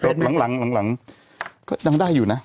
จริงก็อยากได้อยู่นะหลังก็ยังได้อยู่นะ